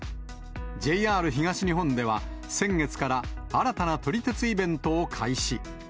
ＪＲ東日本では、先月から新たな撮り鉄イベントを開始。